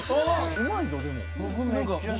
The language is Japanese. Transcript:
うまいぞでも。